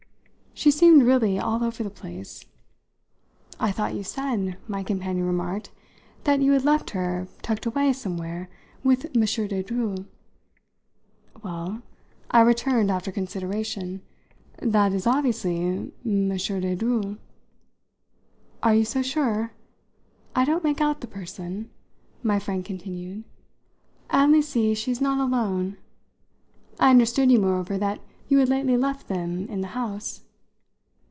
She seemed really all over the place. "I thought you said," my companion remarked, "that you had left her tucked away somewhere with M. de Dreuil." "Well," I returned after consideration, "that is obviously M. de Dreuil." "Are you so sure? I don't make out the person," my friend continued "I only see she's not alone. I understood you moreover that you had lately left them in the house."